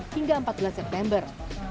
hingga empat belas september